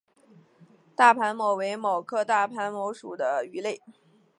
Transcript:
大盘䲟为䲟科大盘䲟属的鱼类。